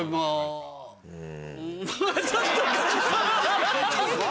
うん。